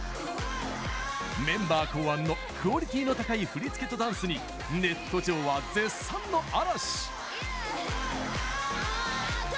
メンバー考案のクオリティーの高い振り付けとダンスにネット上は絶賛の嵐。